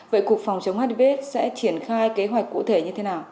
vậy cục phòng chống hiv s sẽ triển khai kế hoạch cụ thể như thế nào